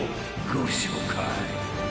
［ご紹介］